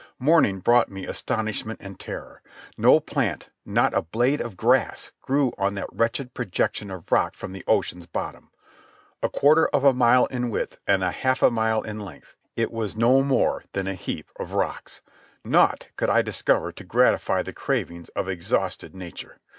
Morning brought me astonishment and terror. No plant, not a blade of grass, grew on that wretched projection of rock from the ocean's bottom. A quarter of a mile in width and a half mile in length, it was no more than a heap of rocks. Naught could I discover to gratify the cravings of exhausted nature.